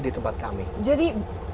di tempat kami jadi